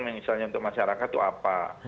misalnya untuk masyarakat itu apa